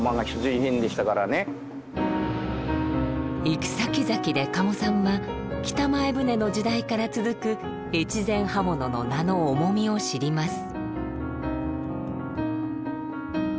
行くさきざきで加茂さんは北前船の時代から続く越前刃物の名の重みを知ります。